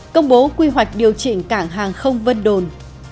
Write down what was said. công bố quy hoạch điều chỉnh cảng hàng không vân đồn